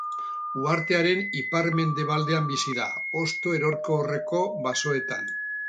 Uhartearen ipar-mendebaldean bizi da, hosto erorkorreko basoetan.